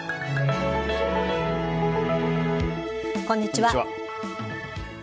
こんにちは。